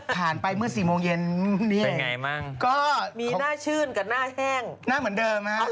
ผ่านไปเมื่อ๔โมงเย็นเป็นอย่างไรบ้าง